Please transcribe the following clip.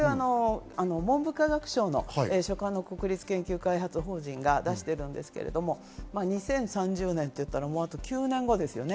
文部科学省の国立研究開発法人が出しているんですけれども、２０３０年といったら、もうあと９年後ですね。